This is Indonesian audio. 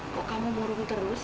kau ingin hidup terus